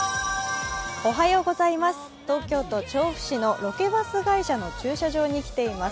東京都調布市のロケバス会社の駐車場に来ています。